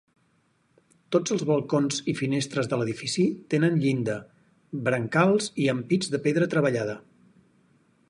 Tots els balcons i finestres de l'edifici tenen llinda, brancals i ampits de pedra treballada.